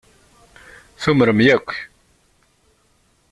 Tumrem yakk